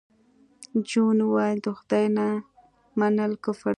جون وویل د خدای نه منل کفر دی